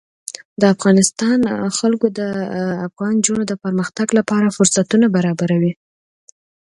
د افغانستان جلکو د افغان نجونو د پرمختګ لپاره فرصتونه برابروي.